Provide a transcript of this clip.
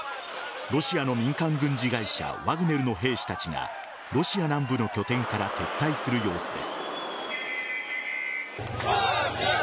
ロシアの民間軍事会社ワグネルの兵士たちがロシア南部の拠点から撤退する様子です。